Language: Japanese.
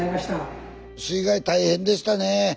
水害大変でしたね。